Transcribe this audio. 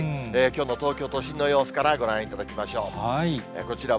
きょうの東京都心の様子からご覧いただきましょう。